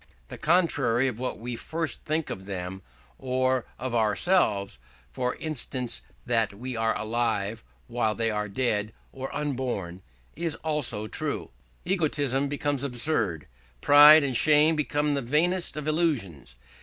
The contrary of what we first think of them or of ourselves for instance that we are alive, while they are dead or unborn is also true. Egotism becomes absurd; pride and shame become the vainest of illusions.